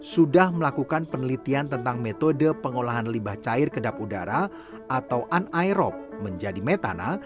sudah melakukan penelitian tentang metode pengolahan limbah cair kedap udara atau unaerob menjadi metana